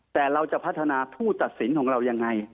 แต่เราจะพัฒนาผู้ตัดสินของเรายังไง